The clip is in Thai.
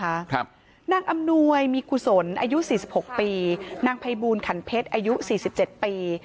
ครับนางอำนวยมีกุศลอายุสี่สิบหกปีนางภัยบูลขันเพชรอายุสี่สิบเจ็ดปี